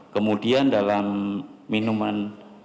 kemudian dalam minuman